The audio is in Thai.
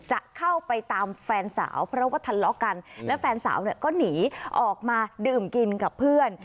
จะเข้าไปตามแฟนสาวเพราะว่าทะเลาะกันและแฟนสาวเนี่ยก็หนีออกมาดื่มกินกับเพื่อน